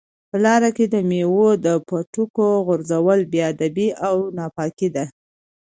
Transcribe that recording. په لاره کې د مېوې د پوټکو غورځول بې ادبي او ناپاکي ده.